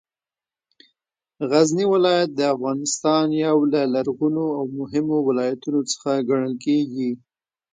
غزنې ولایت د افغانستان یو له لرغونو او مهمو ولایتونو څخه ګڼل کېږې